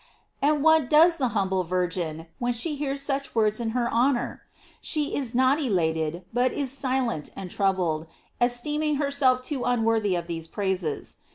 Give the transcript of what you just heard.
"* And what does the humble Virgin when she hears such words in her honor ? She is not elated, but is silent and troubled, esteem ing herself too unworthy of these praises.